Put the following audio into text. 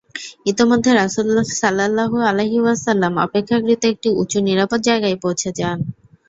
ইতোমধ্যে রাসূল সাল্লাল্লাহু আলাইহি ওয়াসাল্লাম অপেক্ষাকৃত একটি উঁচু নিরাপদ জায়গায় পৌঁছে যান।